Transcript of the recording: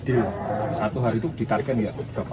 deal satu hari itu di target ya berapa